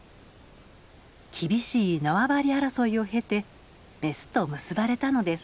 厳しい縄張り争いを経てメスと結ばれたのです。